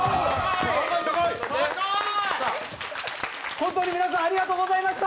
本当に皆さんありがとうございました。